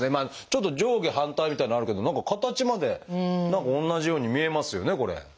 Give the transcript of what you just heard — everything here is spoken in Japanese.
ちょっと上下反対みたいなのあるけど何か形まで何か同じように見えますよねこれ。